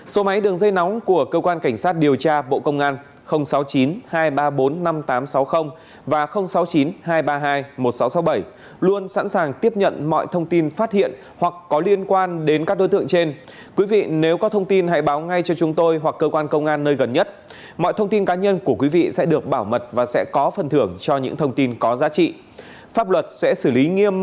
hãy đăng ký kênh để ủng hộ kênh của chúng mình nhé